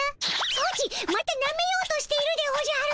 ソチまたなめようとしているでおじゃる。